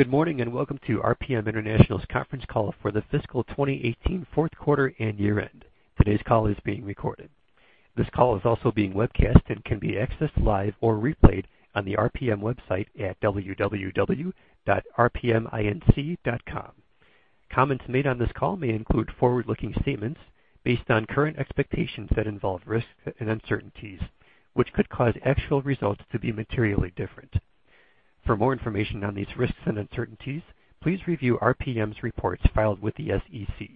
Good morning. Welcome to RPM International's conference call for the fiscal 2018 fourth quarter and year-end. Today's call is being recorded. This call is also being webcast and can be accessed live or replayed on the RPM website at www.rpminc.com. Comments made on this call may include forward-looking statements based on current expectations that involve risks and uncertainties, which could cause actual results to be materially different. For more information on these risks and uncertainties, please review RPM's reports filed with the SEC.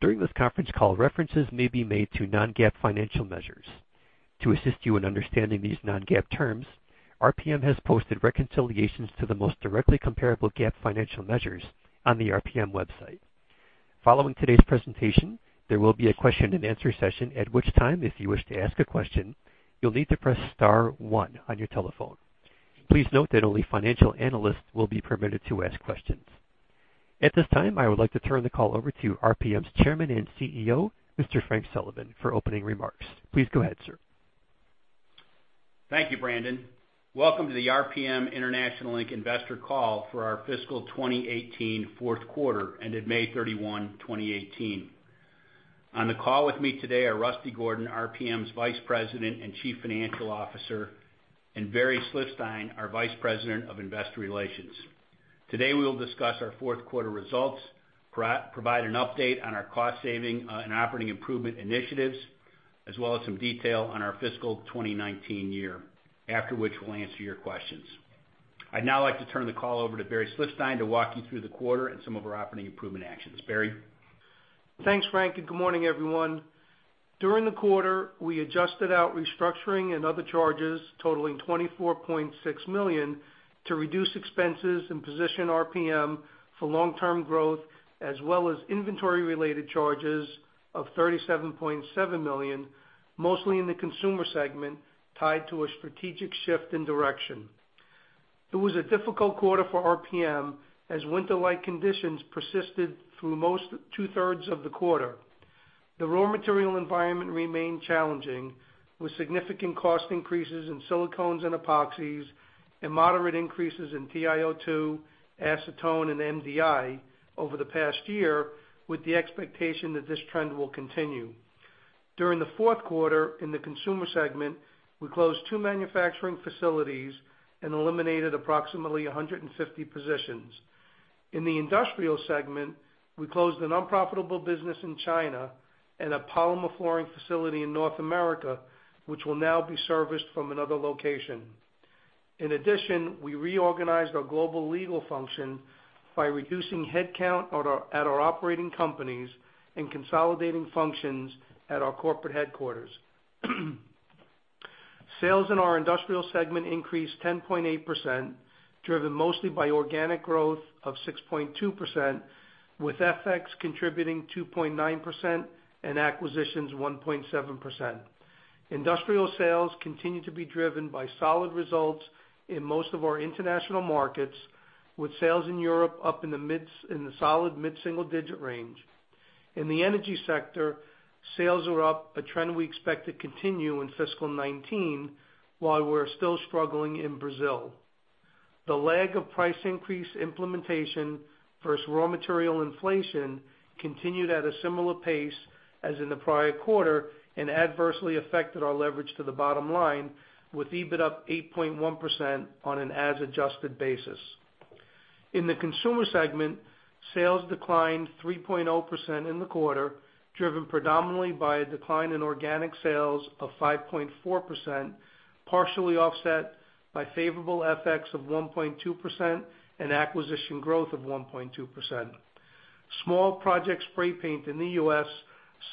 During this conference call, references may be made to non-GAAP financial measures. To assist you in understanding these non-GAAP terms, RPM has posted reconciliations to the most directly comparable GAAP financial measures on the RPM website. Following today's presentation, there will be a question and answer session, at which time, if you wish to ask a question, you'll need to press star one on your telephone. Please note that only financial analysts will be permitted to ask questions. At this time, I would like to turn the call over to RPM's Chairman and CEO, Mr. Frank Sullivan, for opening remarks. Please go ahead, sir. Thank you, Brandon. Welcome to the RPM International Inc. investor call for our fiscal 2018 fourth quarter ended May 31, 2018. On the call with me today are Rusty Gordon, RPM's Vice President and Chief Financial Officer, and Barry Slifstein, our Vice President of Investor Relations. Today we will discuss our fourth quarter results, provide an update on our cost-saving and operating improvement initiatives, as well as some detail on our fiscal 2019 year. After which, we'll answer your questions. I'd now like to turn the call over to Barry Slifstein to walk you through the quarter and some of our operating improvement actions. Barry? Thanks, Frank. Good morning, everyone. During the quarter, we adjusted out restructuring and other charges totaling $24.6 million to reduce expenses and position RPM for long-term growth, as well as inventory-related charges of $37.7 million, mostly in the consumer segment, tied to a strategic shift in direction. It was a difficult quarter for RPM, as winter-like conditions persisted through most two-thirds of the quarter. The raw material environment remained challenging, with significant cost increases in silicones and epoxies and moderate increases in TiO2, acetone, and MDI over the past year, with the expectation that this trend will continue. During the fourth quarter, in the consumer segment, we closed two manufacturing facilities and eliminated approximately 150 positions. In the industrial segment, we closed an unprofitable business in China and a polymer flooring facility in North America, which will now be serviced from another location. In addition, we reorganized our global legal function by reducing headcount at our operating companies and consolidating functions at our corporate headquarters. Sales in our Industrial segment increased 10.8%, driven mostly by organic growth of 6.2%, with FX contributing 2.9% and acquisitions 1.7%. Industrial sales continue to be driven by solid results in most of our international markets, with sales in Europe up in the solid mid-single-digit range. In the energy sector, sales are up, a trend we expect to continue in fiscal 2019, while we're still struggling in Brazil. The lag of price increase implementation versus raw material inflation continued at a similar pace as in the prior quarter and adversely affected our leverage to the bottom line, with EBIT up 8.1% on an as adjusted basis. In the Consumer segment, sales declined 3.0% in the quarter, driven predominantly by a decline in organic sales of 5.4%, partially offset by favorable FX of 1.2% and acquisition growth of 1.2%. Small project spray paint in the U.S.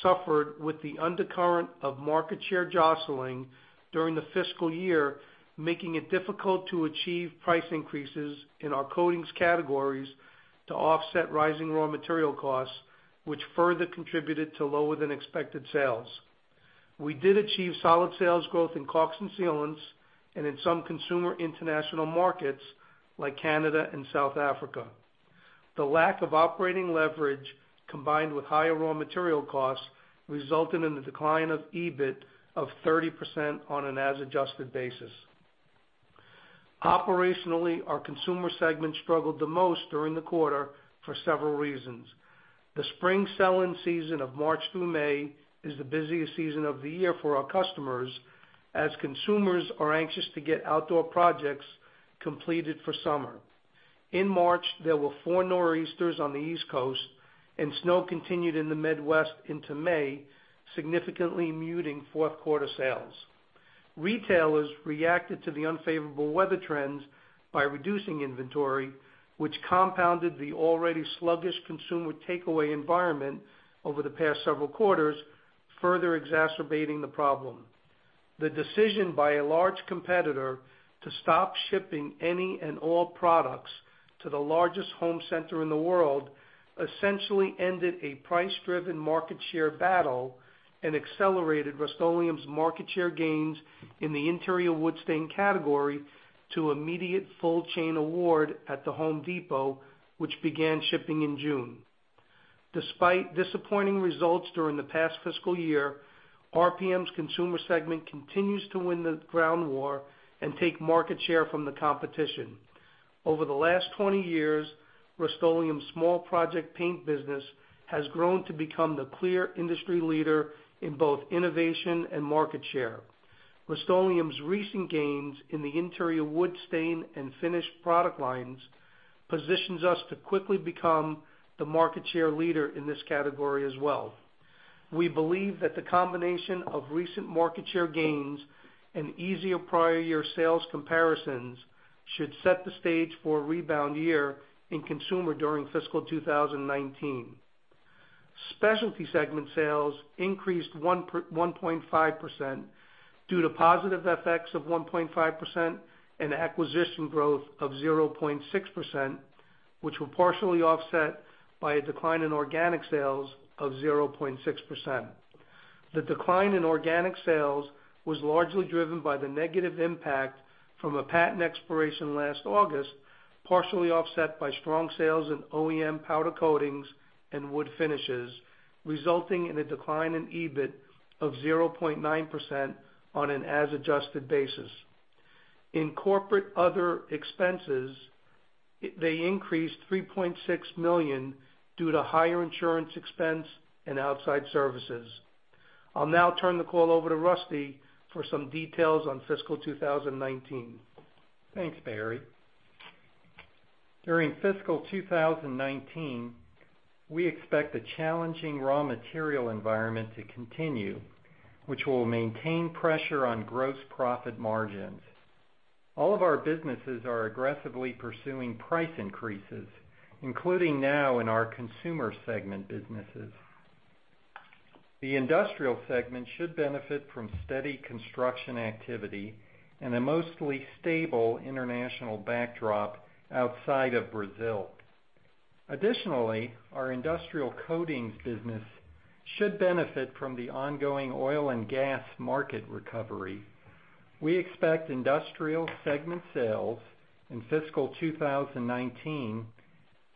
suffered with the undercurrent of market share jostling during the fiscal year, making it difficult to achieve price increases in our coatings categories to offset rising raw material costs, which further contributed to lower than expected sales. We did achieve solid sales growth in caulks and sealants and in some consumer international markets like Canada and South Africa. The lack of operating leverage, combined with higher raw material costs, resulted in the decline of EBIT of 30% on an as adjusted basis. Operationally, our Consumer segment struggled the most during the quarter for several reasons. The spring sell-in season of March through May is the busiest season of the year for our customers, as consumers are anxious to get outdoor projects completed for summer. In March, there were four Nor'easters on the East Coast, and snow continued in the Midwest into May, significantly muting fourth quarter sales. Retailers reacted to the unfavorable weather trends by reducing inventory, which compounded the already sluggish consumer takeaway environment over the past several quarters, further exacerbating the problem. The decision by a large competitor to stop shipping any and all products to the largest home center in the world essentially ended a price-driven market share battle and accelerated Rust-Oleum's market share gains in the interior wood stain category to immediate full chain award at The Home Depot, which began shipping in June. Despite disappointing results during the past fiscal year, RPM's Consumer segment continues to win the ground war and take market share from the competition. Over the last 20 years, Rust-Oleum's small project paint business has grown to become the clear industry leader in both innovation and market share. Rust-Oleum's recent gains in the interior wood stain and finish product lines positions us to quickly become the market share leader in this category as well. We believe that the combination of recent market share gains and easier prior year sales comparisons should set the stage for a rebound year in Consumer during fiscal 2019. Specialty segment sales increased 1.5% due to positive effects of 1.5% and acquisition growth of 0.6%, which were partially offset by a decline in organic sales of 0.6%. The decline in organic sales was largely driven by the negative impact from a patent expiration last August, partially offset by strong sales in OEM powder coatings and wood finishes, resulting in a decline in EBIT of 0.9% on an as adjusted basis. In corporate other expenses, they increased $3.6 million due to higher insurance expense and outside services. I will now turn the call over to Rusty for some details on fiscal 2019. Thanks, Barry. During fiscal 2019, we expect the challenging raw material environment to continue, which will maintain pressure on gross profit margins. All of our businesses are aggressively pursuing price increases, including now in our Consumer segment businesses. The Industrial segment should benefit from steady construction activity and a mostly stable international backdrop outside of Brazil. Additionally, our Industrial coatings business should benefit from the ongoing oil and gas market recovery. We expect Industrial segment sales in fiscal 2019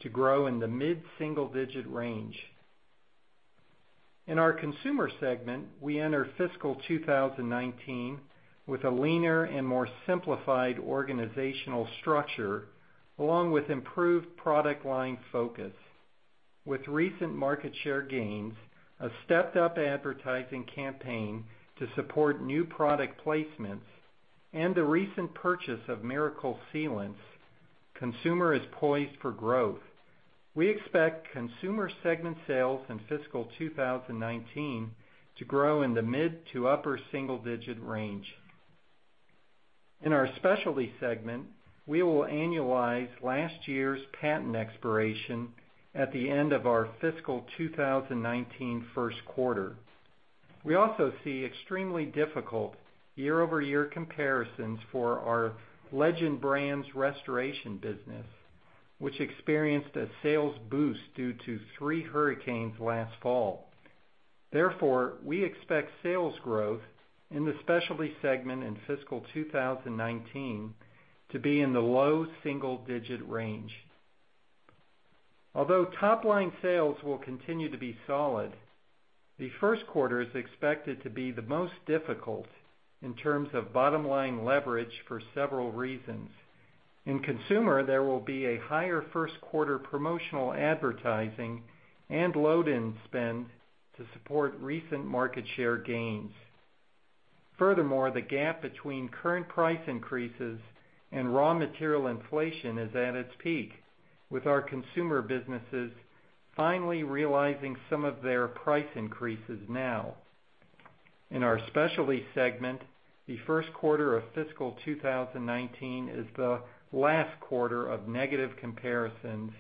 to grow in the mid-single digit range. In our Consumer segment, we enter fiscal 2019 with a leaner and more simplified organizational structure, along with improved product line focus. With recent market share gains, a stepped-up advertising campaign to support new product placements, and the recent purchase of Miracle Sealants, Consumer is poised for growth. We expect Consumer segment sales in fiscal 2019 to grow in the mid to upper single digit range. In our Specialty segment, we will annualize last year's patent expiration at the end of our fiscal 2019 first quarter. We also see extremely difficult year-over-year comparisons for our Legend Brands restoration business, which experienced a sales boost due to three hurricanes last fall. Therefore, we expect sales growth in the Specialty segment in fiscal 2019 to be in the low single digit range. Although top-line sales will continue to be solid, the first quarter is expected to be the most difficult in terms of bottom-line leverage for several reasons. In Consumer, there will be a higher first quarter promotional advertising and load in spend to support recent market share gains. The gap between current price increases and raw material inflation is at its peak, with our consumer businesses finally realizing some of their price increases now. In our Specialty segment, the first quarter of fiscal 2019 is the last quarter of negative comparisons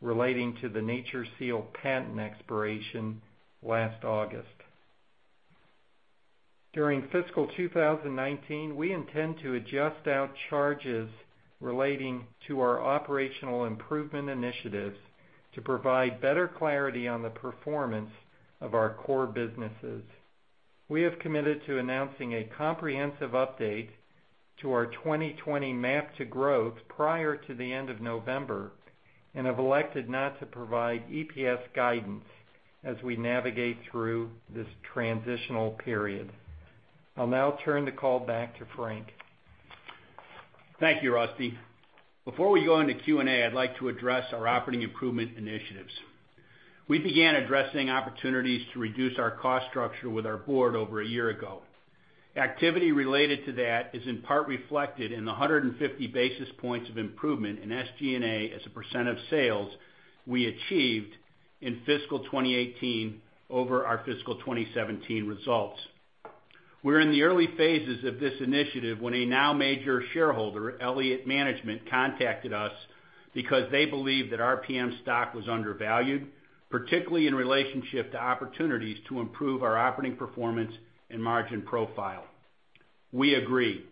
relating to the NatureSeal patent expiration last August. During fiscal 2019, we intend to adjust out charges relating to our operational improvement initiatives to provide better clarity on the performance of our core businesses. We have committed to announcing a comprehensive update to our 2020 MAP to Growth prior to the end of November and have elected not to provide EPS guidance as we navigate through this transitional period. I will now turn the call back to Frank. Thank you, Rusty. Before we go into Q&A, I'd like to address our operating improvement initiatives. We began addressing opportunities to reduce our cost structure with our board over a year ago. Activity related to that is in part reflected in the 150 basis points of improvement in SG&A as a % of sales we achieved in fiscal 2018 over our fiscal 2017 results. We were in the early phases of this initiative when a now major shareholder, Elliott Management, contacted us because they believed that RPM stock was undervalued, particularly in relationship to opportunities to improve our operating performance and margin profile. We agree.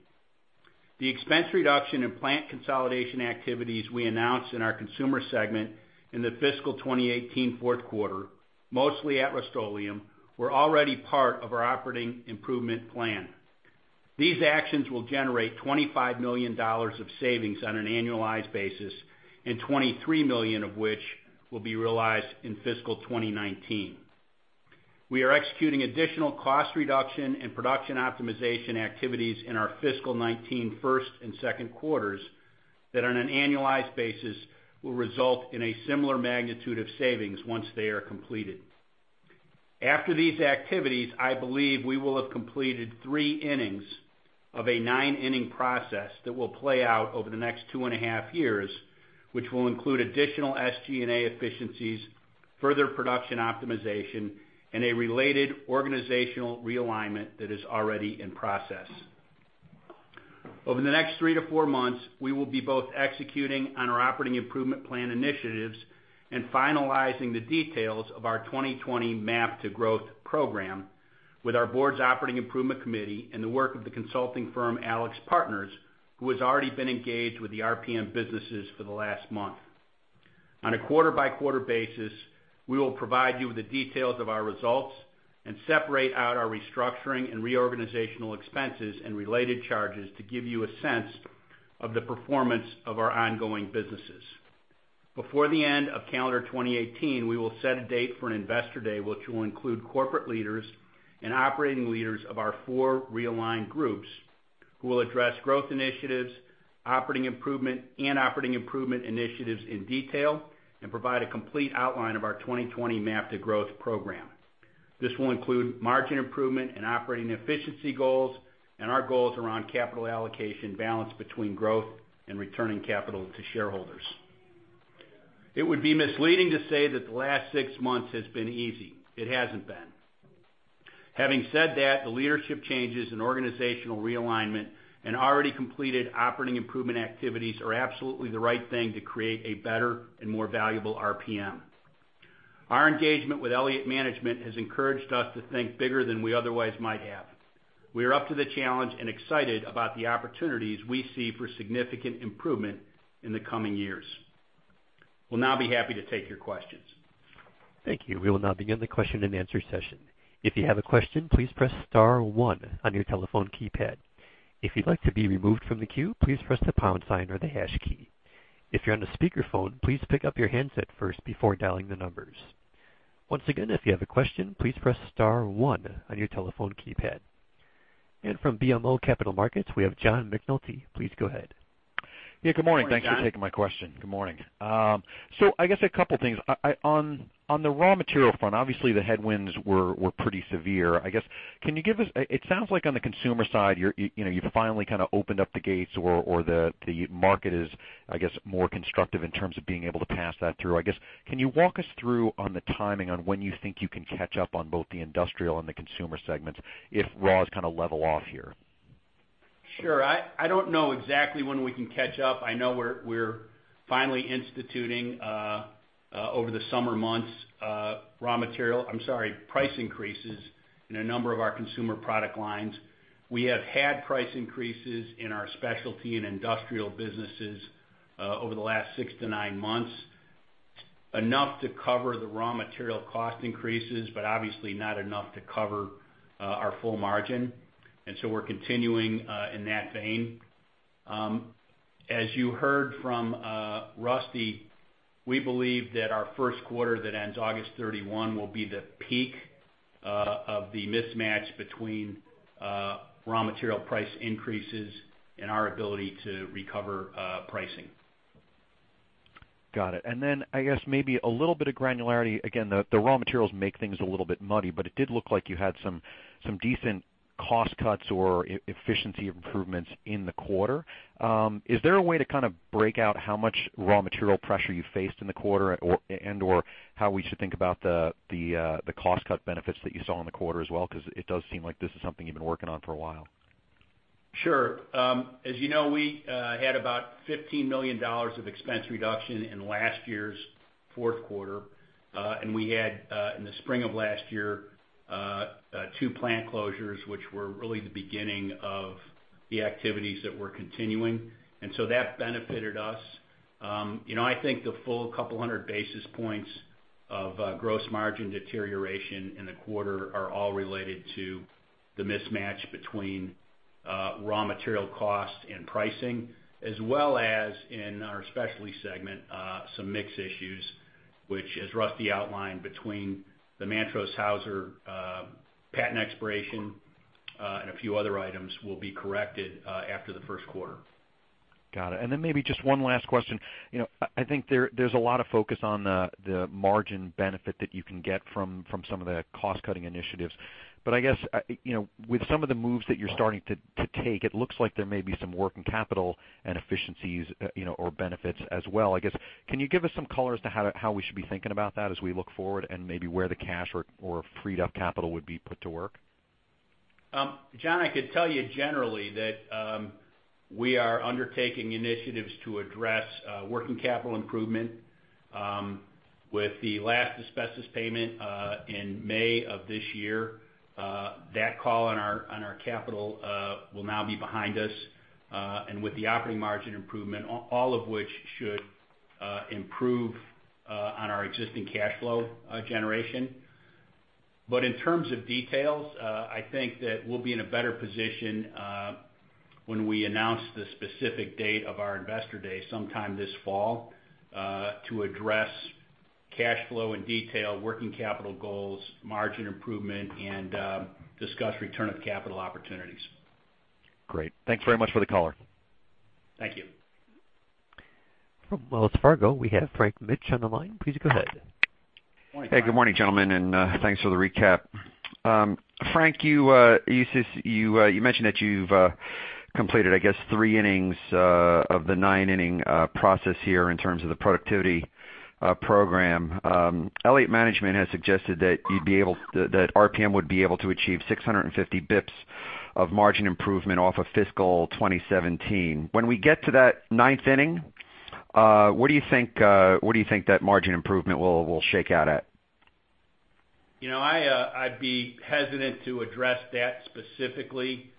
The expense reduction and plant consolidation activities we announced in our Consumer segment in the fiscal 2018 fourth quarter, mostly at Rust-Oleum, were already part of our operating improvement plan. These actions will generate $25 million of savings on an annualized basis. $23 million of which will be realized in fiscal 2019. We are executing additional cost reduction and production optimization activities in our fiscal 2019 first and second quarters that on an annualized basis will result in a similar magnitude of savings once they are completed. After these activities, I believe we will have completed three innings of a nine-inning process that will play out over the next two and a half years, which will include additional SG&A efficiencies, further production optimization, and a related organizational realignment that is already in process. Over the next three to four months, we will be both executing on our operating improvement plan initiatives and finalizing the details of our 2020 MAP to Growth program with our board's operating improvement committee and the work of the consulting firm, AlixPartners, who has already been engaged with the RPM businesses for the last month. On a quarter-by-quarter basis, we will provide you with the details of our results and separate out our restructuring and reorganizational expenses and related charges to give you a sense of the performance of our ongoing businesses. Before the end of calendar 2018, we will set a date for an investor day, which will include corporate leaders and operating leaders of our four realigned groups who will address growth initiatives, operating improvement, and operating improvement initiatives in detail and provide a complete outline of our 2020 MAP to Growth program. This will include margin improvement and operating efficiency goals and our goals around capital allocation balance between growth and returning capital to shareholders. It would be misleading to say that the last six months has been easy. It hasn't been. Having said that, the leadership changes and organizational realignment and already completed operating improvement activities are absolutely the right thing to create a better and more valuable RPM. Our engagement with Elliott Management has encouraged us to think bigger than we otherwise might have. We are up to the challenge and excited about the opportunities we see for significant improvement in the coming years. We'll now be happy to take your questions. Thank you. We will now begin the question and answer session. If you have a question, please press *1 on your telephone keypad. If you'd like to be removed from the queue, please press the pound sign or the hash key. If you're on a speakerphone, please pick up your handset first before dialing the numbers. Once again, if you have a question, please press *1 on your telephone keypad. From BMO Capital Markets, we have John McNulty. Please go ahead. Yeah, good morning. Morning, John. Thanks for taking my question. Good morning. I guess a couple things. On the raw material front, obviously the headwinds were pretty severe. It sounds like on the consumer side, you've finally kind of opened up the gates or the market is more constructive in terms of being able to pass that through. Can you walk us through on the timing on when you think you can catch up on both the industrial and the consumer segments if raw is kind of level off here? Sure. I don't know exactly when we can catch up. I know we're finally instituting, over the summer months, price increases in a number of our consumer product lines. We have had price increases in our specialty and industrial businesses over the last six to nine months, enough to cover the raw material cost increases, but obviously not enough to cover our full margin. We're continuing in that vein. As you heard from Rusty, we believe that our first quarter that ends August 31 will be the peak of the mismatch between raw material price increases and our ability to recover pricing. Got it. I guess maybe a little bit of granularity. Again, the raw materials make things a little bit muddy, it did look like you had some decent cost cuts or efficiency improvements in the quarter. Is there a way to kind of break out how much raw material pressure you faced in the quarter and/or how we should think about the cost cut benefits that you saw in the quarter as well? Because it does seem like this is something you've been working on for a while. Sure. As you know, we had about $15 million of expense reduction in last year's fourth quarter. We had, in the spring of last year, two plant closures, which were really the beginning of the activities that we're continuing. That benefited us. I think the full couple hundred basis points of gross margin deterioration in the quarter are all related to the mismatch between raw material cost and pricing, as well as in our specialty segment, some mix issues, which, as Rusty outlined, between the Mantrose-Haeuser patent expiration and a few other items, will be corrected after the first quarter. Got it. Maybe just one last question. I think there's a lot of focus on the margin benefit that you can get from some of the cost-cutting initiatives. I guess, with some of the moves that you're starting to take, it looks like there may be some working capital and efficiencies or benefits as well. Can you give us some color as to how we should be thinking about that as we look forward, and maybe where the cash or freed up capital would be put to work? John, I could tell you generally that we are undertaking initiatives to address working capital improvement. With the last asbestos payment in May of this year, that call on our capital will now be behind us. With the operating margin improvement, all of which should improve on our existing cash flow generation. In terms of details, I think that we'll be in a better position when we announce the specific date of our investor day sometime this fall to address cash flow in detail, working capital goals, margin improvement, and discuss return of capital opportunities. Great. Thanks very much for the color. Thank you. From Wells Fargo, we have Frank Mitsch on the line. Please go ahead. Morning, Frank. Hey, good morning, gentlemen, and thanks for the recap. Frank, you mentioned that you've completed, I guess, three innings of the nine-inning process here in terms of the productivity program. Elliott Management has suggested that RPM would be able to achieve 650 basis points of margin improvement off of fiscal 2017. When we get to that ninth inning, what do you think that margin improvement will shake out at? I'd be hesitant to address that specifically.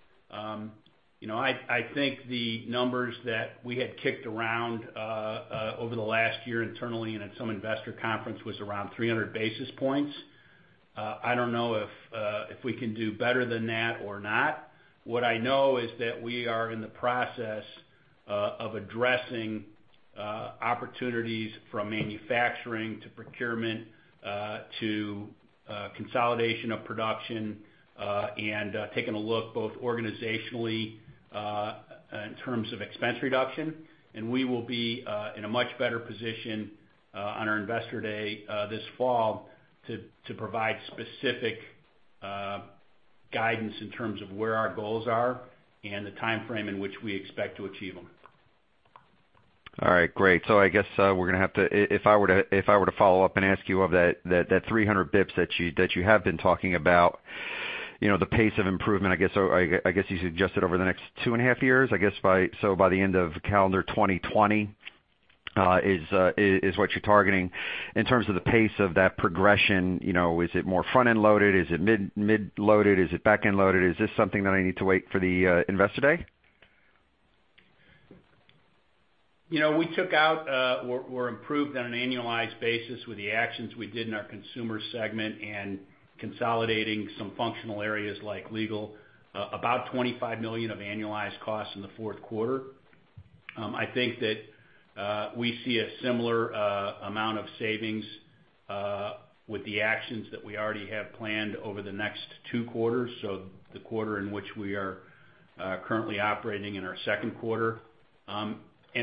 I think the numbers that we had kicked around over the last year internally and at some investor conference was around 300 basis points. I don't know if we can do better than that or not. What I know is that we are in the process of addressing opportunities from manufacturing to procurement, to consolidation of production, and taking a look both organizationally in terms of expense reduction. We will be in a much better position on our investor day this fall to provide specific guidance in terms of where our goals are and the timeframe in which we expect to achieve them. All right. Great. I guess if I were to follow up and ask you of that 300 basis points that you have been talking about, the pace of improvement, I guess you suggested over the next two and a half years, so by the end of calendar 2020, is what you're targeting. In terms of the pace of that progression, is it more front-end loaded? Is it mid loaded? Is it back-end loaded? Is this something that I need to wait for the investor day? We took out or improved on an annualized basis with the actions we did in our consumer segment and consolidating some functional areas like legal, about $25 million of annualized costs in the fourth quarter. I think that we see a similar amount of savings with the actions that we already have planned over the next two quarters, so the quarter in which we are currently operating and our second quarter.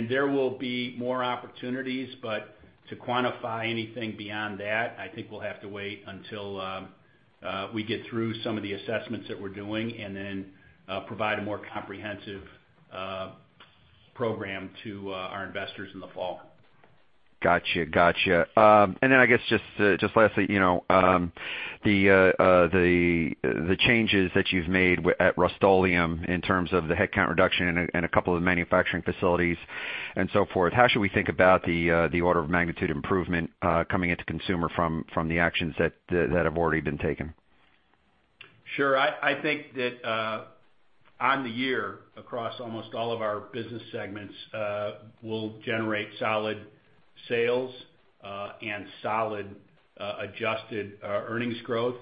There will be more opportunities, but to quantify anything beyond that, I think we'll have to wait until we get through some of the assessments that we're doing, and then provide a more comprehensive program to our investors in the fall. Got you. I guess just lastly, the changes that you've made at Rust-Oleum in terms of the headcount reduction in a couple of the manufacturing facilities and so forth, how should we think about the order of magnitude improvement coming into consumer from the actions that have already been taken? Sure. I think that on the year, across almost all of our business segments, we'll generate solid sales and solid adjusted earnings growth.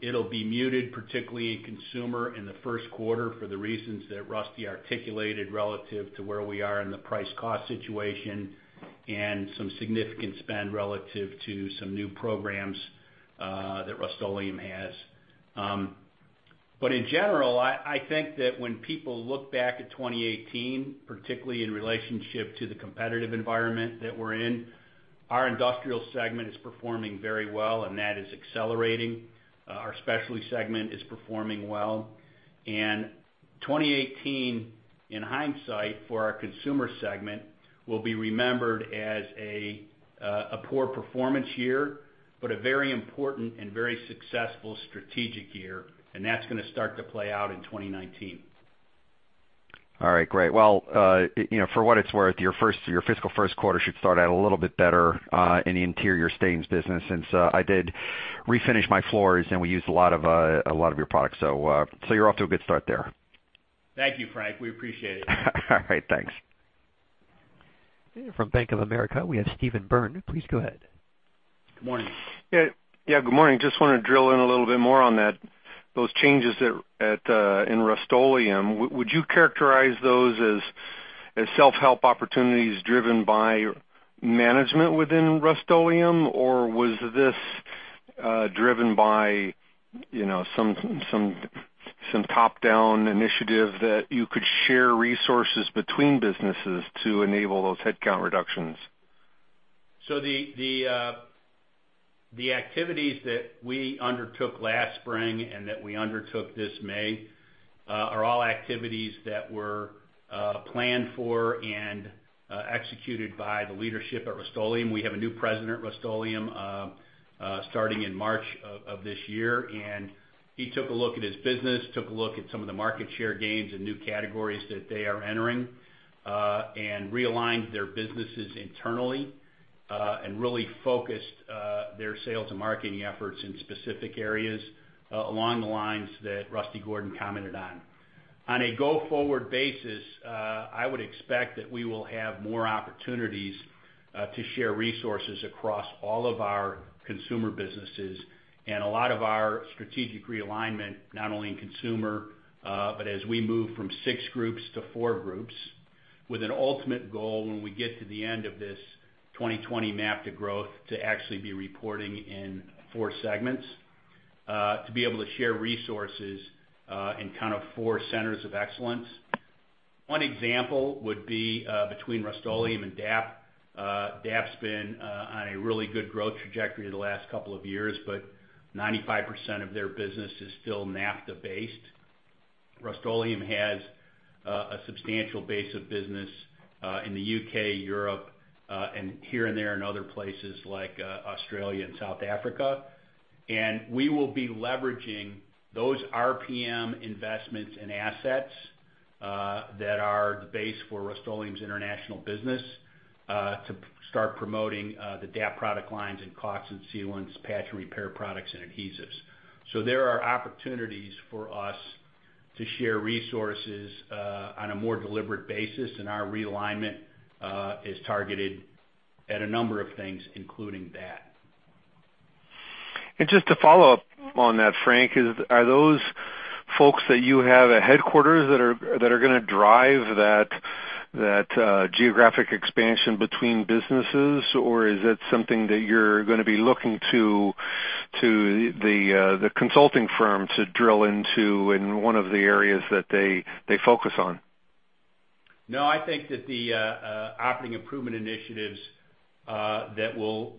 It'll be muted, particularly in consumer in the first quarter for the reasons that Rusty articulated relative to where we are in the price-cost situation and some significant spend relative to some new programs that Rust-Oleum has. In general, I think that when people look back at 2018, particularly in relationship to the competitive environment that we're in, our industrial segment is performing very well, and that is accelerating. Our specialty segment is performing well. 2018, in hindsight for our consumer segment, will be remembered as a poor performance year, but a very important and very successful strategic year, and that's going to start to play out in 2019. All right, great. Well, for what it's worth, your fiscal first quarter should start out a little bit better in the interior stains business since I did refinish my floors and we used a lot of your products. You're off to a good start there. Thank you, Frank. We appreciate it. All right. Thanks. From Bank of America, we have Steve Byrne. Please go ahead. Good morning. Good morning. Just want to drill in a little bit more on those changes in Rust-Oleum. Would you characterize those as self-help opportunities driven by management within Rust-Oleum, or was this driven by some top-down initiative that you could share resources between businesses to enable those headcount reductions? The activities that we undertook last spring and that we undertook this May are all activities that were planned for and executed by the leadership at Rust-Oleum. We have a new president at Rust-Oleum starting in March of this year, and he took a look at his business, took a look at some of the market share gains and new categories that they are entering, and realigned their businesses internally, and really focused their sales and marketing efforts in specific areas along the lines that Rusty Gordon commented on. On a go-forward basis, I would expect that we will have more opportunities to share resources across all of our consumer businesses and a lot of our strategic realignment, not only in consumer, but as we move from six groups to four groups, with an ultimate goal when we get to the end of this 2020 MAP to Growth to actually be reporting in four segments, to be able to share resources in kind of four centers of excellence. One example would be between Rust-Oleum and DAP. DAP's been on a really good growth trajectory the last couple of years, but 95% of their business is still NAFTA based. Rust-Oleum has a substantial base of business in the U.K., Europe, and here and there in other places like Australia and South Africa. We will be leveraging those RPM investments and assets that are the base for Rust-Oleum's international business, to start promoting the DAP product lines in caulks and sealants, patch and repair products, and adhesives. There are opportunities for us to share resources on a more deliberate basis, and our realignment is targeted at a number of things, including that. Just to follow up on that, Frank, are those folks that you have at headquarters that are going to drive that geographic expansion between businesses, or is that something that you're going to be looking to the consulting firm to drill into in one of the areas that they focus on? I think that the operating improvement initiatives that will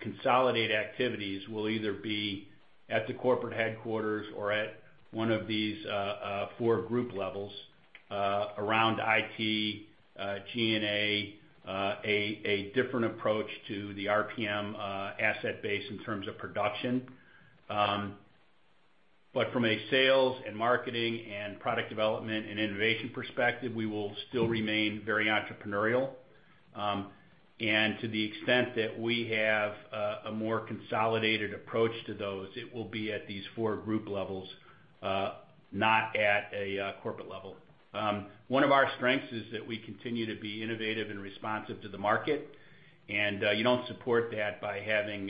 consolidate activities will either be at the corporate headquarters or at one of these 4 group levels around IT, G&A, a different approach to the RPM asset base in terms of production. From a sales and marketing and product development and innovation perspective, we will still remain very entrepreneurial. To the extent that we have a more consolidated approach to those, it will be at these 4 group levels, not at a corporate level. One of our strengths is that we continue to be innovative and responsive to the market, and you don't support that by having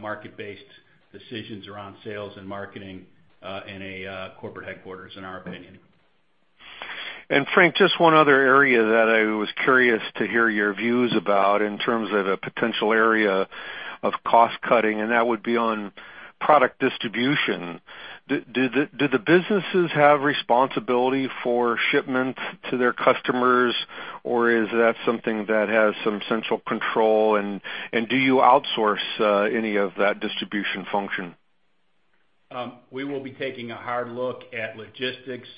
market-based decisions around sales and marketing in a corporate headquarters, in our opinion. Frank, just one other area that I was curious to hear your views about in terms of a potential area of cost-cutting, and that would be on product distribution. Do the businesses have responsibility for shipments to their customers, or is that something that has some central control, and do you outsource any of that distribution function? We will be taking a hard look at logistics,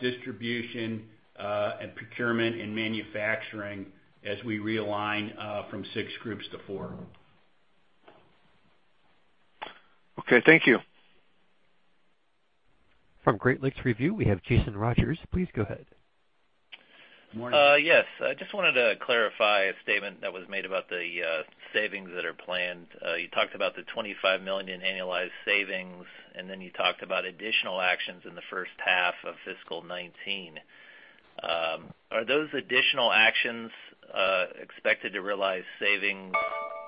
distribution and procurement, and manufacturing as we realign from 6 groups to 4. Okay, thank you. From Great Lakes Review, we have Jason Rogers. Please go ahead. Morning. Yes. I just wanted to clarify a statement that was made about the savings that are planned. You talked about the $25 million in annualized savings, then you talked about additional actions in the first half of fiscal 2019. Are those additional actions expected to realize savings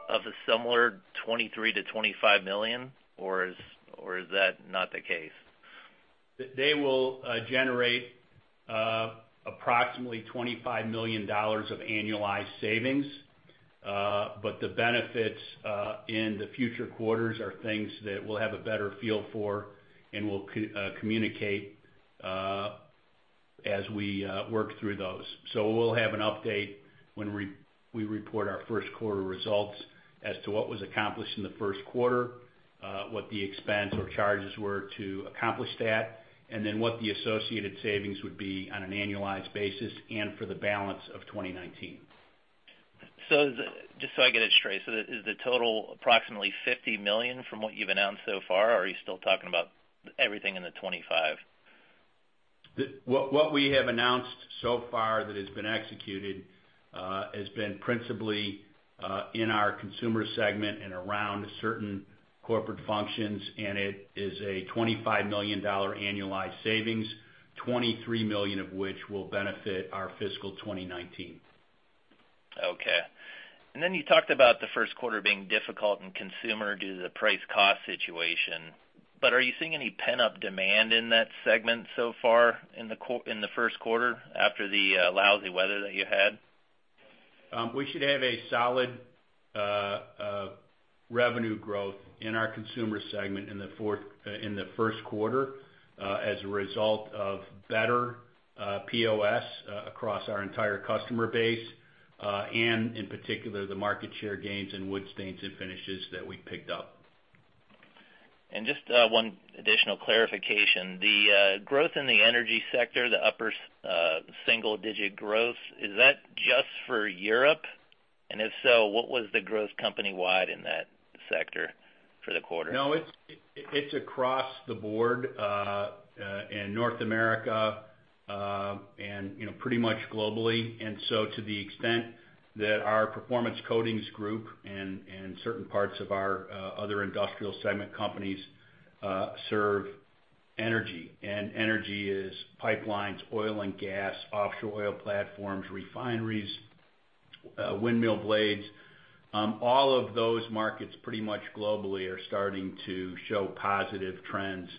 of a similar $23 million to $25 million, or is that not the case? They will generate approximately $25 million of annualized savings. The benefits in the future quarters are things that we'll have a better feel for and we'll communicate as we work through those. We'll have an update when we report our first quarter results as to what was accomplished in the first quarter, what the expense or charges were to accomplish that, and then what the associated savings would be on an annualized basis and for the balance of 2019. Just so I get it straight, is the total approximately $50 million from what you've announced so far, or are you still talking about everything in the $25? What we have announced so far that has been executed, has been principally in our consumer segment and around certain corporate functions, and it is a $25 million annualized savings, $23 million of which will benefit our fiscal 2019. Okay. Then you talked about the first quarter being difficult in consumer due to the price cost situation. Are you seeing any pent-up demand in that segment so far in the first quarter after the lousy weather that you had? We should have a solid revenue growth in our consumer segment in the first quarter as a result of better POS across our entire customer base, and in particular, the market share gains in wood stains and finishes that we picked up. Just one additional clarification. The growth in the energy sector, the upper single-digit growth, is that just for Europe? If so, what was the growth company-wide in that sector for the quarter? No, it's across the board, in North America, and pretty much globally. To the extent that our performance coatings group and certain parts of our other industrial segment companies serve energy, and energy is pipelines, oil and gas, offshore oil platforms, refineries, windmill blades. All of those markets, pretty much globally, are starting to show positive trends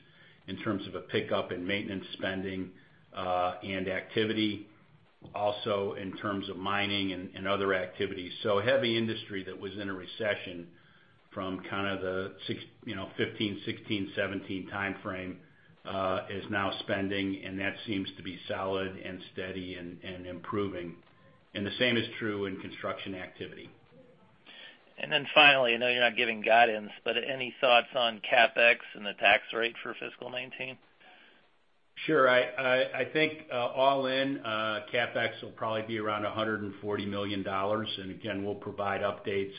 in terms of a pickup in maintenance spending and activity. Also in terms of mining and other activities. Heavy industry that was in a recession from the 2015, 2016, 2017 timeframe, is now spending, and that seems to be solid and steady and improving. The same is true in construction activity. Finally, I know you're not giving guidance, but any thoughts on CapEx and the tax rate for fiscal 2019? Sure. I think all in, CapEx will probably be around $140 million. Again, we'll provide updates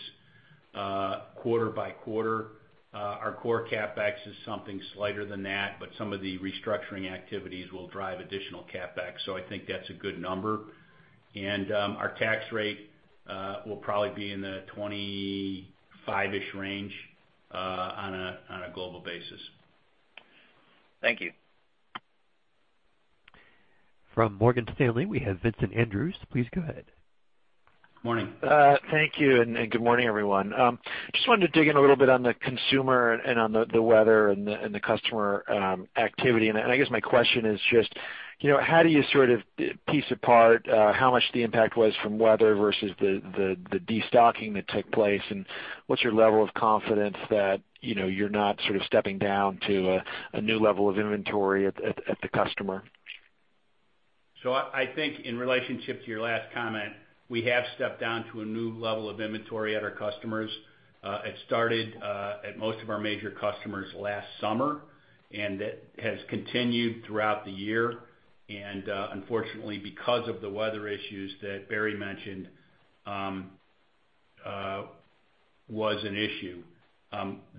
quarter by quarter. Our core CapEx is something slighter than that, but some of the restructuring activities will drive additional CapEx. I think that's a good number. Our tax rate will probably be in the 25-ish range on a global basis. Thank you. From Morgan Stanley, we have Vincent Andrews. Please go ahead. Morning. Thank you. Good morning, everyone. Just wanted to dig in a little bit on the consumer and on the weather and the customer activity. I guess my question is just, how do you sort of piece apart how much the impact was from weather versus the de-stocking that took place, and what's your level of confidence that you're not sort of stepping down to a new level of inventory at the customer? I think in relationship to your last comment, we have stepped down to a new level of inventory at our customers. It started at most of our major customers last summer, and that has continued throughout the year. Unfortunately, because of the weather issues that Barry mentioned, was an issue.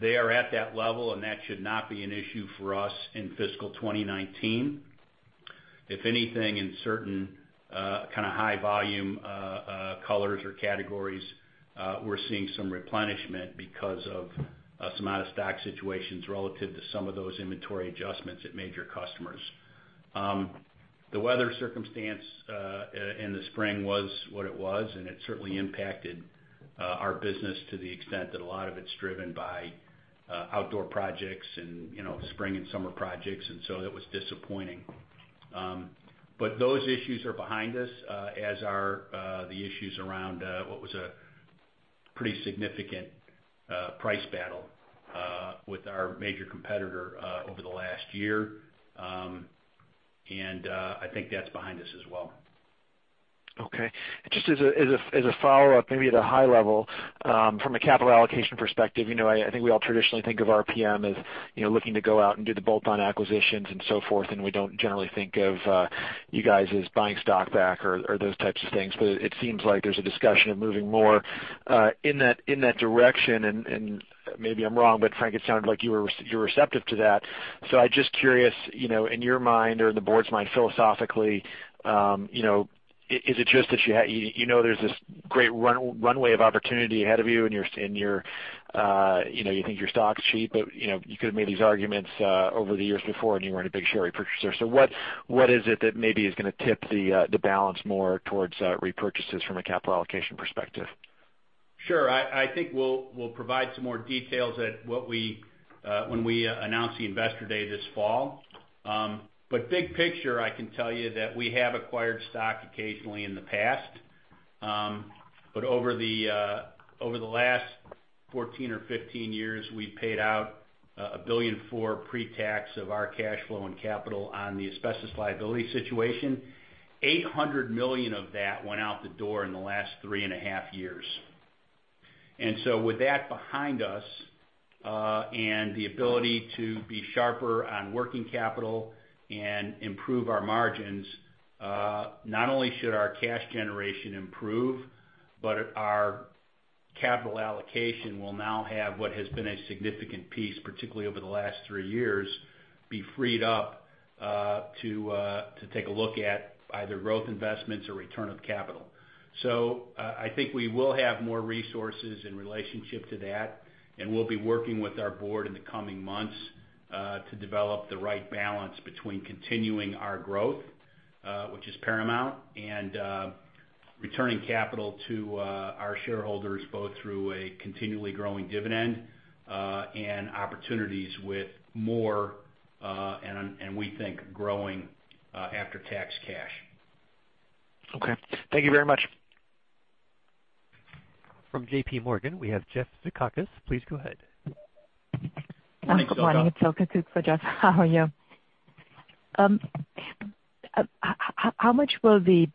They are at that level, and that should not be an issue for us in fiscal 2019. If anything, in certain kind of high volume colors or categories, we're seeing some replenishment because of some out-of-stock situations relative to some of those inventory adjustments at major customers. The weather circumstance in the spring was what it was, and it certainly impacted our business to the extent that a lot of it's driven by outdoor projects and spring and summer projects. That was disappointing. Those issues are behind us, as are the issues around what was a pretty significant price battle with our major competitor over the last year. I think that's behind us as well. Okay. Just as a follow-up, maybe at a high level, from a capital allocation perspective, I think we all traditionally think of RPM as looking to go out and do the bolt-on acquisitions and so forth, and we don't generally think of you guys as buying stock back or those types of things. It seems like there's a discussion of moving more in that direction, and maybe I'm wrong, but Frank, it sounded like you were receptive to that. I'm just curious, in your mind or in the board's mind, philosophically, is it just that you know there's this great runway of opportunity ahead of you and you think your stock's cheap, but you could have made these arguments over the years before and you weren't a big share repurchaser. What is it that maybe is going to tip the balance more towards repurchases from a capital allocation perspective? Sure. I think we'll provide some more details when we announce the investor day this fall. Big picture, I can tell you that we have acquired stock occasionally in the past. Over the last 14 or 15 years, we've paid out $1 billion for pre-tax of our cash flow and capital on the asbestos liability situation. $800 million of that went out the door in the last three and a half years. With that behind us, and the ability to be sharper on working capital and improve our margins, not only should our cash generation improve, but our capital allocation will now have what has been a significant piece, particularly over the last three years, be freed up to take a look at either growth investments or return of capital. I think we will have more resources in relationship to that, we'll be working with our board in the coming months to develop the right balance between continuing our growth, which is paramount, and returning capital to our shareholders, both through a continually growing dividend, and opportunities with more, and we think, growing after-tax cash. Okay. Thank you very much. From JPMorgan, we have Jeff Zekauskas. Please go ahead. Good morning, Toshi. Good morning. It's Ilka for Jeff. How are you? How much will the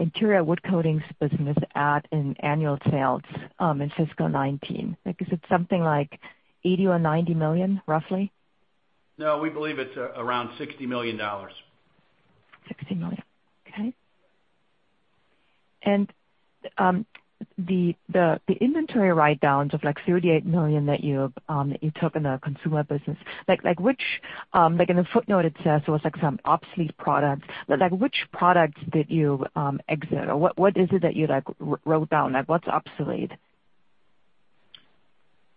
interior wood coatings business add in annual sales in fiscal 2019? Is it something like $80 million or $90 million, roughly? We believe it's around $60 million. $60 million. Okay. The inventory write-downs of $38 million that you took in the consumer business, in the footnote it says it was some obsolete products. Which products did you exit? Or what is it that you wrote down? What's obsolete?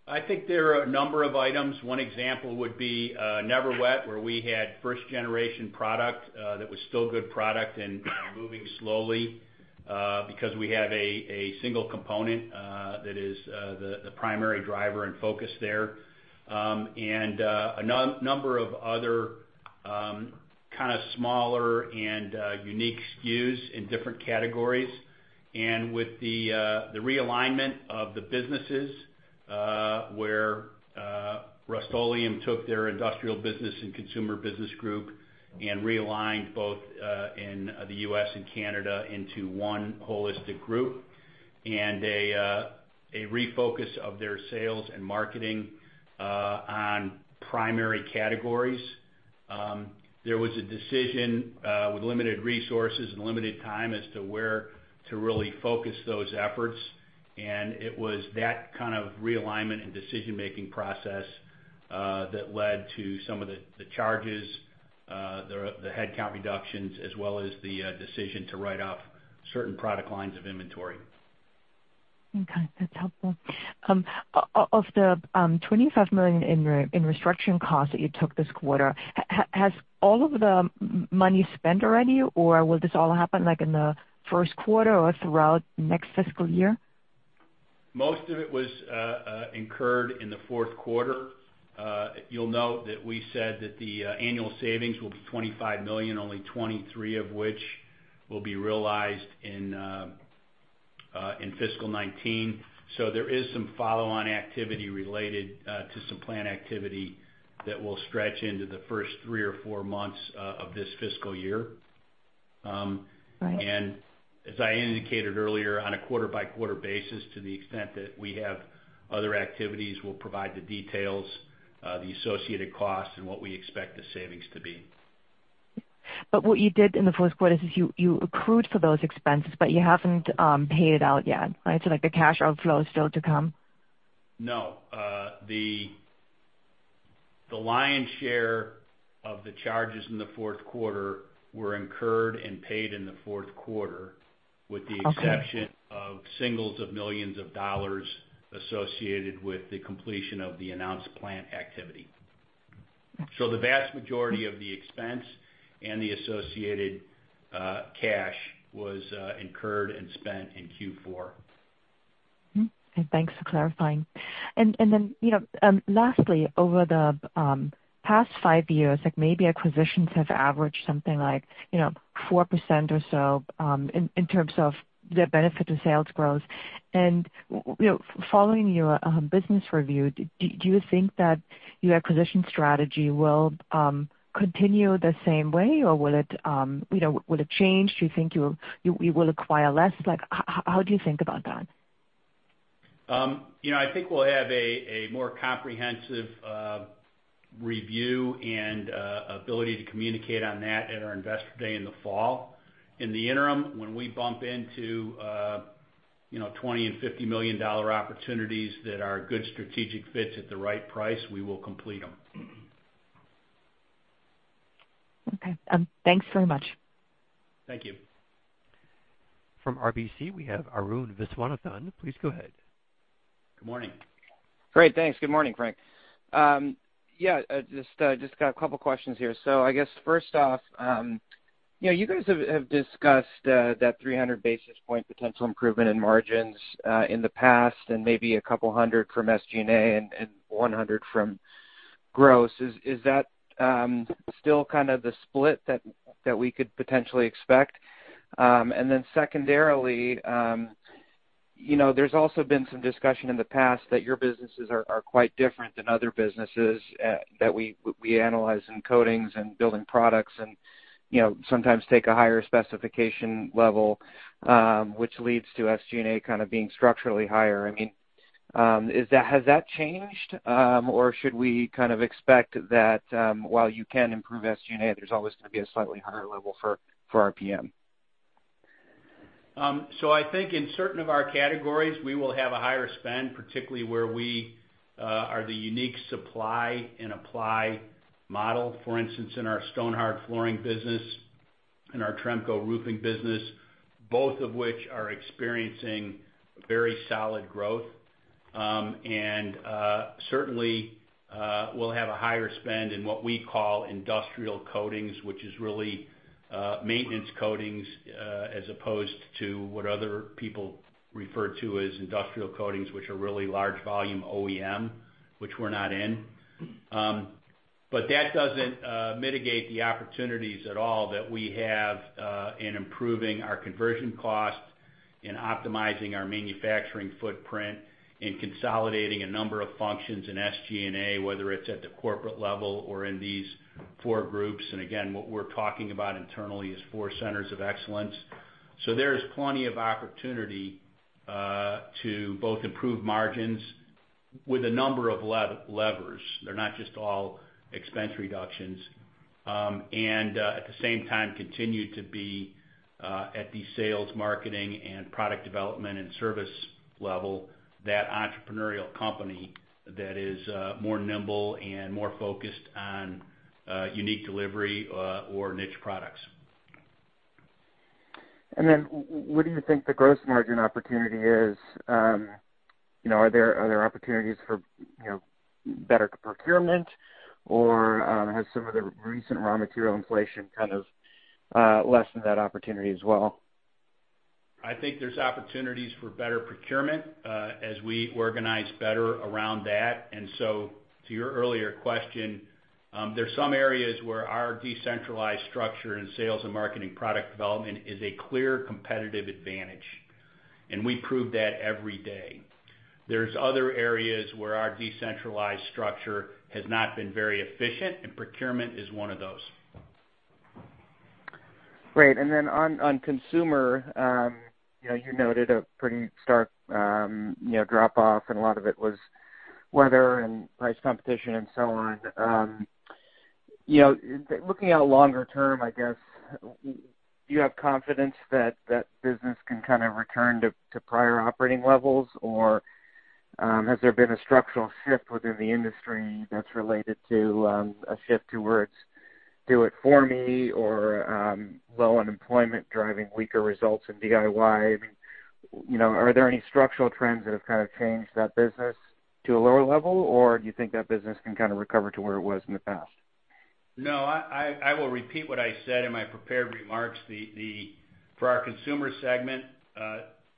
I think there are a number of items. One example would be NeverWet, where we had first generation product that was still good product and moving slowly, because we have a single component that is the primary driver and focus there. A number of other kind of smaller and unique SKUs in different categories. With the realignment of the businesses, where Rust-Oleum took their industrial business and consumer business group and realigned both in the U.S. and Canada into one holistic group, and a refocus of their sales and marketing on primary categories. There was a decision with limited resources and limited time as to where to really focus those efforts, and it was that kind of realignment and decision making process that led to some of the charges, the headcount reductions, as well as the decision to write off certain product lines of inventory. Okay. That's helpful. Of the $25 million in restructuring costs that you took this quarter, has all of the money spent already or will this all happen like in the first quarter or throughout next fiscal year? Most of it was incurred in the fourth quarter. You'll note that we said that the annual savings will be $25 million, only $23 of which will be realized in fiscal 2019. There is some follow-on activity related to some plan activity that will stretch into the first three or four months of this fiscal year. Right. As I indicated earlier, on a quarter-by-quarter basis, to the extent that we have other activities, we'll provide the details, the associated costs, and what we expect the savings to be. What you did in the first quarter is you accrued for those expenses, but you haven't paid it out yet, right? The cash outflow is still to come. No. The lion's share of the charges in the fourth quarter were incurred and paid in the fourth quarter. Okay. With the exception of singles of millions of USD associated with the completion of the announced plan activity. Okay. The vast majority of the expense and the associated cash was incurred and spent in Q4. Okay. Thanks for clarifying. Then, lastly, over the past five years, maybe acquisitions have averaged something like 4% or so in terms of the benefit to sales growth. Following your business review, do you think that your acquisition strategy will continue the same way or will it change? Do you think you will acquire less? How do you think about that? I think we'll have a more comprehensive review and ability to communicate on that at our investor day in the fall. In the interim, when we bump into $20 million and $50 million opportunities that are good strategic fits at the right price, we will complete them. Okay. Thanks very much. Thank you. From RBC, we have Arun Viswanathan. Please go ahead. Good morning. Great. Thanks. Good morning, Frank. Just got a couple questions here. I guess first off, you guys have discussed that 300 basis point potential improvement in margins in the past, and maybe 200 from SG&A and 100 from gross. Is that still kind of the split that we could potentially expect? Secondarily, there's also been some discussion in the past that your businesses are quite different than other businesses that we analyze in coatings and building products and sometimes take a higher specification level, which leads to SG&A kind of being structurally higher. Has that changed or should we kind of expect that while you can improve SG&A, there's always going to be a slightly higher level for RPM? I think in certain of our categories, we will have a higher spend, particularly where we are the unique supply and apply model. For instance, in our Stonhard flooring business, in our Tremco roofing business, both of which are experiencing very solid growth. Certainly, we'll have a higher spend in what we call industrial coatings, which is really maintenance coatings, as opposed to what other people refer to as industrial coatings, which are really large volume OEM, which we're not in. But that doesn't mitigate the opportunities at all that we have in improving our conversion cost, in optimizing our manufacturing footprint, in consolidating a number of functions in SG&A, whether it's at the corporate level or in these four groups. Again, what we're talking about internally is four centers of excellence. There is plenty of opportunity to both improve margins with a number of levers. They're not just all expense reductions. At the same time, continue to be, at the sales, marketing, and product development and service level, that entrepreneurial company that is more nimble and more focused on unique delivery or niche products. What do you think the gross margin opportunity is? Are there other opportunities for better procurement, or has some of the recent raw material inflation kind of lessened that opportunity as well? I think there's opportunities for better procurement as we organize better around that. To your earlier question, there's some areas where our decentralized structure in sales and marketing product development is a clear competitive advantage, and we prove that every day. There's other areas where our decentralized structure has not been very efficient, and procurement is one of those. Great. On consumer, you noted a pretty stark drop-off, and a lot of it was weather and price competition and so on. Looking out longer term, I guess, do you have confidence that that business can kind of return to prior operating levels, or has there been a structural shift within the industry that's related to a shift towards do it for me or low unemployment driving weaker results in DIY? Are there any structural trends that have kind of changed that business to a lower level, or do you think that business can kind of recover to where it was in the past? No, I will repeat what I said in my prepared remarks. For our consumer segment,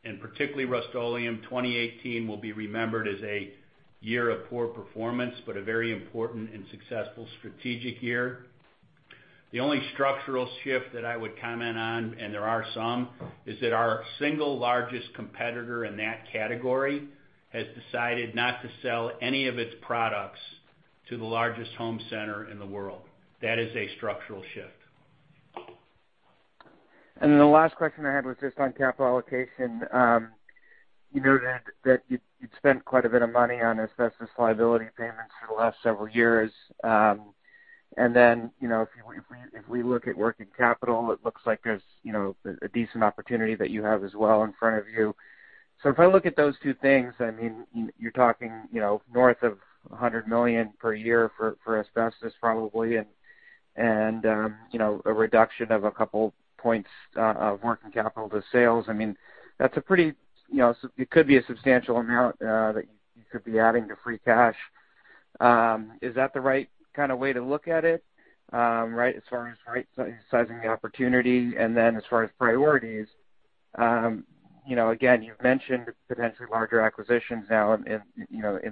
and particularly Rust-Oleum, 2018 will be remembered as a year of poor performance, but a very important and successful strategic year. The only structural shift that I would comment on, and there are some, is that our single largest competitor in that category has decided not to sell any of its products to the largest home center in the world. That is a structural shift. The last question I had was just on capital allocation. You noted that you'd spent quite a bit of money on asbestos liability payments for the last several years. If we look at working capital, it looks like there's a decent opportunity that you have as well in front of you. If I look at those two things, you're talking north of $100 million per year for asbestos, probably, and a reduction of a couple points of working capital to sales. It could be a substantial amount that you could be adding to free cash. Is that the right kind of way to look at it? As far as right sizing the opportunity, as far as priorities, again, you've mentioned potentially larger acquisitions now in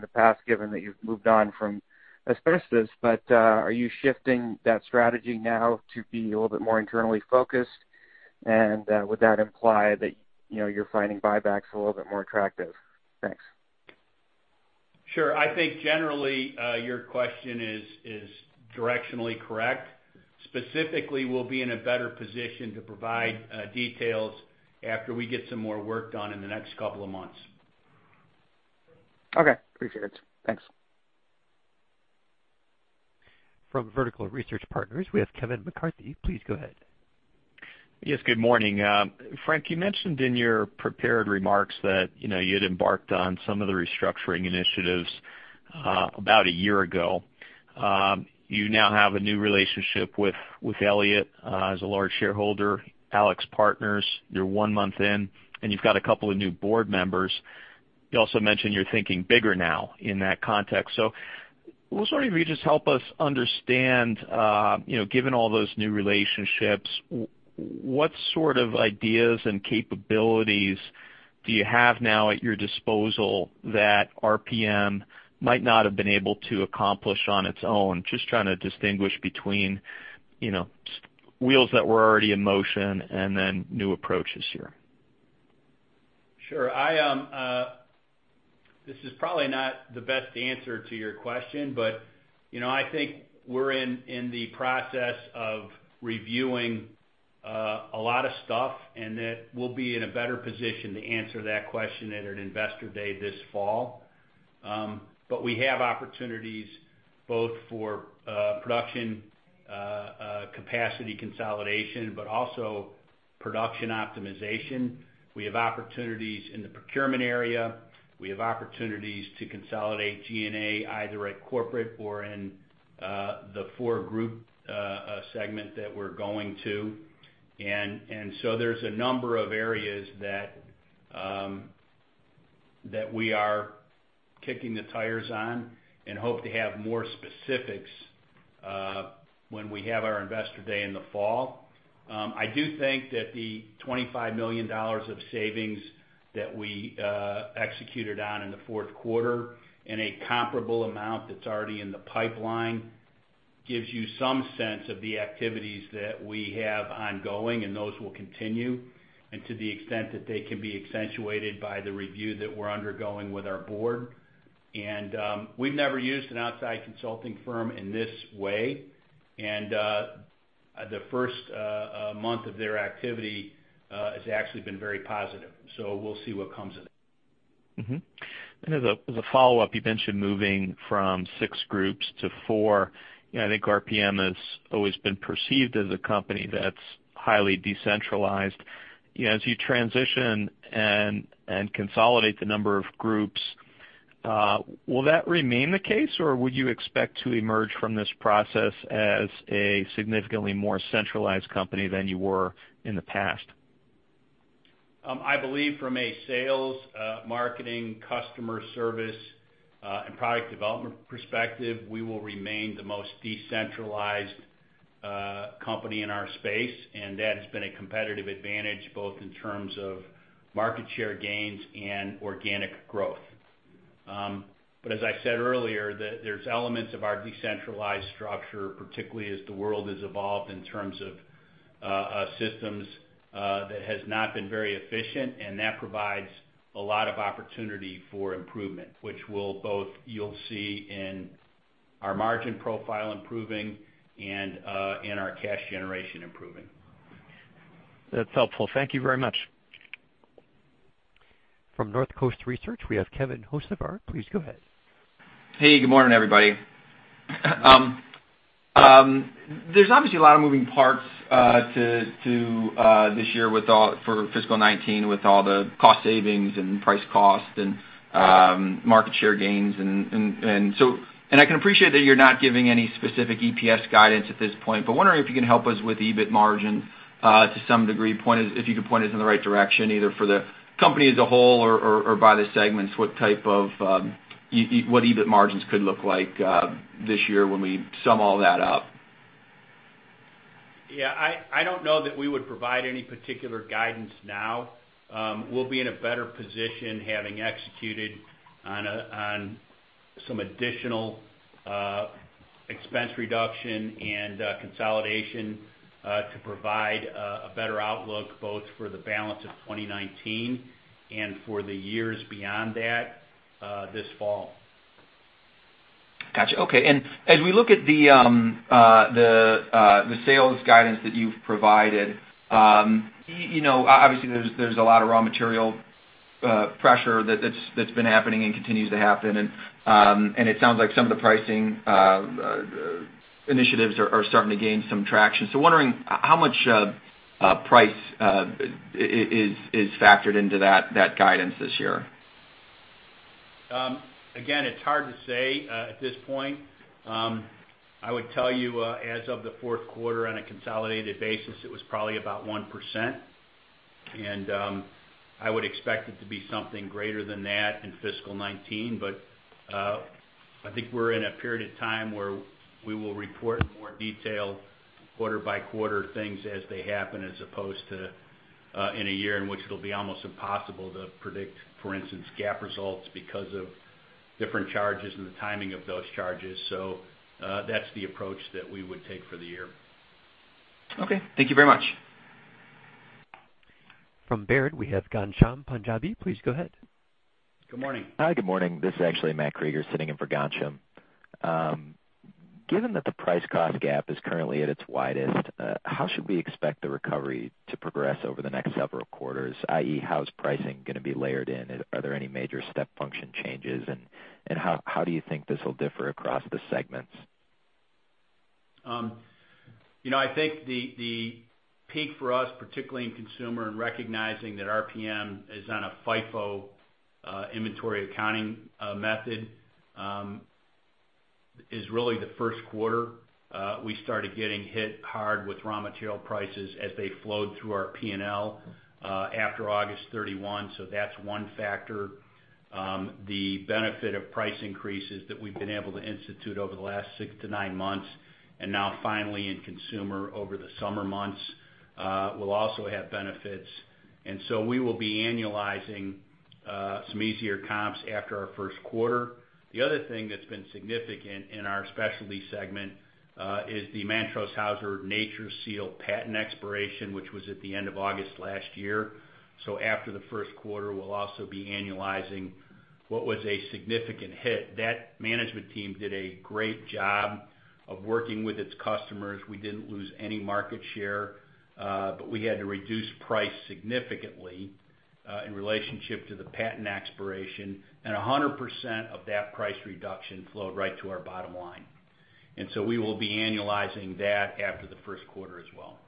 the past given that you've moved on from asbestos. Are you shifting that strategy now to be a little bit more internally focused? Would that imply that you're finding buybacks a little bit more attractive? Thanks. Sure. I think generally your question is directionally correct. Specifically, we'll be in a better position to provide details after we get some more work done in the next couple of months. Okay. Appreciate it. Thanks. From Vertical Research Partners, we have Kevin McCarthy. Please go ahead. Yes, good morning. Frank, you mentioned in your prepared remarks that you had embarked on some of the restructuring initiatives about a year ago. You now have a new relationship with Elliott as a large shareholder. AlixPartners, you're one month in, and you've got a couple of new board members. You also mentioned you're thinking bigger now in that context. I was wondering if you'd just help us understand, given all those new relationships, what sort of ideas and capabilities do you have now at your disposal that RPM might not have been able to accomplish on its own? Just trying to distinguish between wheels that were already in motion and new approaches here. Sure. This is probably not the best answer to your question, I think we're in the process of reviewing a lot of stuff, and that we'll be in a better position to answer that question at an investor day this fall. We have opportunities both for production capacity consolidation, but also production optimization. We have opportunities in the procurement area. We have opportunities to consolidate G&A, either at corporate or in the 4 group segment that we're going to. There's a number of areas that we are kicking the tires on and hope to have more specifics when we have our investor day in the fall. I do think that the $25 million of savings that we executed on in the fourth quarter and a comparable amount that's already in the pipeline gives you some sense of the activities that we have ongoing, and those will continue, and to the extent that they can be accentuated by the review that we're undergoing with our board. We've never used an outside consulting firm in this way. The first month of their activity has actually been very positive. We'll see what comes of it. Mm-hmm. As a follow-up, you mentioned moving from six groups to four. I think RPM has always been perceived as a company that's highly decentralized. As you transition and consolidate the number of groups, will that remain the case, or would you expect to emerge from this process as a significantly more centralized company than you were in the past? I believe from a sales, marketing, customer service, and product development perspective, we will remain the most decentralized company in our space, that has been a competitive advantage, both in terms of market share gains and organic growth. As I said earlier, there's elements of our decentralized structure, particularly as the world has evolved in terms of systems, that has not been very efficient, that provides a lot of opportunity for improvement, which both you'll see in our margin profile improving and in our cash generation improving. That's helpful. Thank you very much. From Northcoast Research, we have Kevin Hocevar. Please go ahead. Hey, good morning, everybody. There's obviously a lot of moving parts to this year for fiscal 2019 with all the cost savings and price cost and market share gains. I can appreciate that you're not giving any specific EPS guidance at this point, but wondering if you can help us with EBIT margin to some degree, if you could point us in the right direction, either for the company as a whole or by the segments, what EBIT margins could look like this year when we sum all that up. Yeah. I don't know that we would provide any particular guidance now. We'll be in a better position having executed on some additional expense reduction and consolidation, to provide a better outlook both for the balance of 2019 and for the years beyond that this fall. Got you. Okay. As we look at the sales guidance that you've provided, obviously, there's a lot of raw material pressure that's been happening and continues to happen. It sounds like some of the pricing initiatives are starting to gain some traction. Wondering how much price is factored into that guidance this year. Again, it's hard to say at this point. I would tell you, as of the fourth quarter on a consolidated basis, it was probably about 1%, and I would expect it to be something greater than that in fiscal 2019. I think we're in a period of time where we will report more detailed quarter-by-quarter things as they happen, as opposed to in a year in which it'll be almost impossible to predict, for instance, GAAP results because of different charges and the timing of those charges. That's the approach that we would take for the year. Okay. Thank you very much. From Baird, we have Gansham Punjabi. Please go ahead. Good morning. Hi. Good morning. This is actually Matthew Krueger sitting in for Gansham. Given that the price-cost gap is currently at its widest, how should we expect the recovery to progress over the next several quarters, i.e., how is pricing going to be layered in? Are there any major step function changes, and how do you think this will differ across the segments? I think the peak for us, particularly in consumer and recognizing that RPM is on a FIFO inventory accounting method, is really the first quarter. We started getting hit hard with raw material prices as they flowed through our P&L after August 31. That's one factor. The benefit of price increases that we've been able to institute over the last six to nine months, and now finally in consumer over the summer months, will also have benefits. We will be annualizing some easier comps after our first quarter. The other thing that's been significant in our specialty segment is the Mantrose-Haeuser NatureSeal patent expiration, which was at the end of August last year. After the first quarter, we'll also be annualizing what was a significant hit. That management team did a great job of working with its customers. We didn't lose any market share, but we had to reduce price significantly in relationship to the patent expiration, and 100% of that price reduction flowed right to our bottom line. We will be annualizing that after the first quarter as well.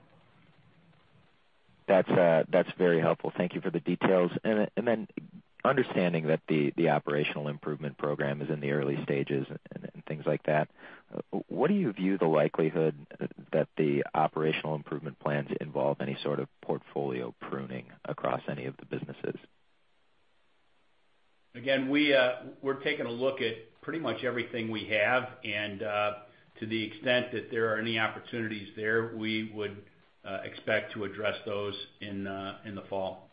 That's very helpful. Thank you for the details. Understanding that the operational improvement program is in the early stages and things like that, what do you view the likelihood that the operational improvement plans involve any sort of portfolio pruning across any of the businesses? Again, we're taking a look at pretty much everything we have, and to the extent that there are any opportunities there, we would expect to address those in the fall.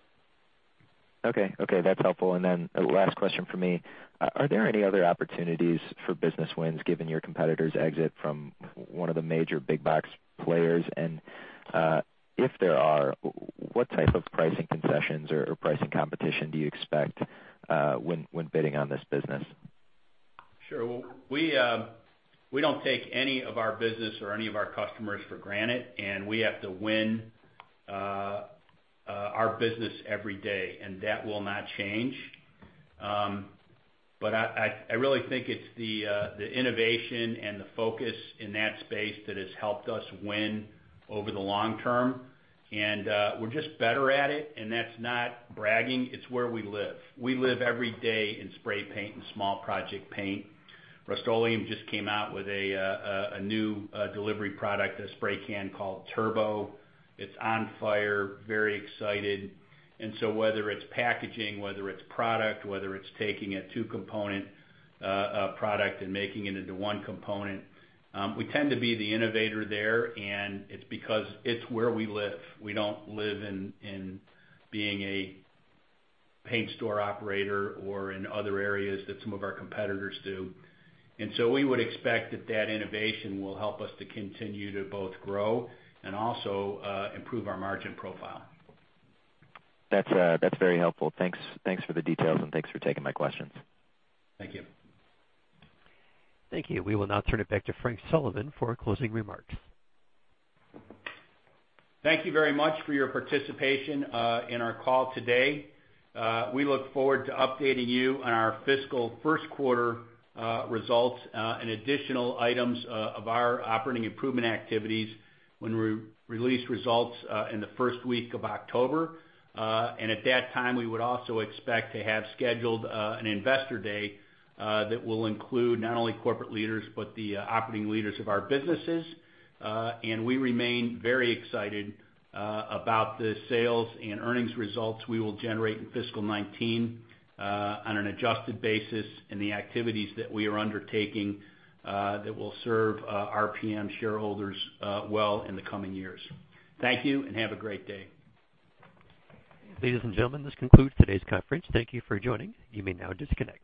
Last question from me, are there any other opportunities for business wins given your competitor's exit from one of the major big box players? If there are, what type of pricing concessions or pricing competition do you expect when bidding on this business? Sure. We don't take any of our business or any of our customers for granted, and we have to win our business every day, and that will not change. I really think it's the innovation and the focus in that space that has helped us win over the long term, and we're just better at it, and that's not bragging. It's where we live. We live every day in spray paint and small project paint. Rust-Oleum just came out with a new delivery product, a spray can called Turbo. It's on fire, very excited. Whether it's packaging, whether it's product, whether it's taking a two-component product and making it into one component, we tend to be the innovator there, and it's because it's where we live. We don't live in being a paint store operator or in other areas that some of our competitors do. We would expect that that innovation will help us to continue to both grow and also improve our margin profile. That's very helpful. Thanks for the details and thanks for taking my questions. Thank you. Thank you. We will now turn it back to Frank Sullivan for closing remarks. Thank you very much for your participation in our call today. We look forward to updating you on our fiscal first quarter results and additional items of our operating improvement activities when we release results in the first week of October. At that time, we would also expect to have scheduled an investor day that will include not only corporate leaders, but the operating leaders of our businesses. We remain very excited about the sales and earnings results we will generate in fiscal 2019 on an adjusted basis and the activities that we are undertaking that will serve RPM shareholders well in the coming years. Thank you and have a great day. Ladies and gentlemen, this concludes today's conference. Thank you for joining. You may now disconnect.